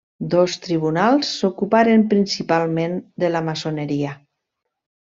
Dos tribunals s'ocuparen principalment de la maçoneria.